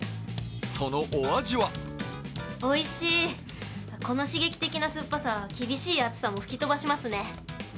そのお味はおいしい、この刺激的な酸っぱさは、厳しい暑さも吹き飛ばしますね。